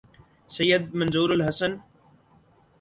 سید Manzoor الحسن